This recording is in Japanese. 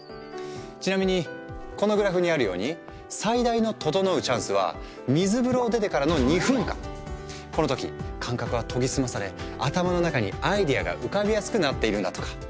ちなみにこのグラフにあるように最大の「ととのう」チャンスは水風呂を出てからのこの時感覚は研ぎ澄まされ頭の中にアイデアが浮かびやすくなっているんだとか。